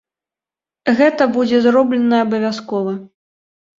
Гэта будзе зроблена абавязкова.